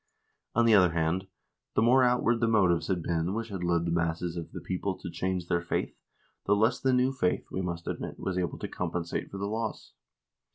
On the other hand, the more outward the motives had been which had led the masses of the people to change their faith, the less the new faith, we must admit, was able to com pensate for the loss.